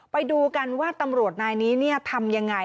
ไปดูกันว่าตำรวจนายนี้ทำยังไง